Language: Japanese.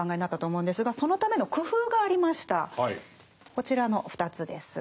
こちらの２つです。